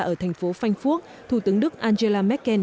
ở thành phố phanh phuốc thủ tướng đức angela merkel